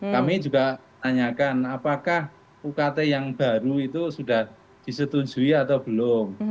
kami juga tanyakan apakah ukt yang baru itu sudah disetujui atau belum